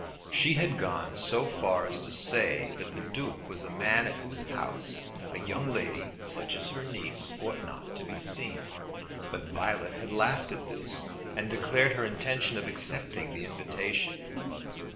She had gone so far as to say that the Duke was a man at whose house a young lady such as her niece ought not to be seen. But Violet had laughed at this, and declared her intention of accepting the invitation.